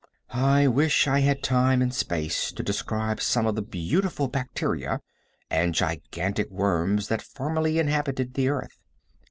I wish that I had time and space to describe some of the beautiful bacteria and gigantic worms that formerly inhabited the earth.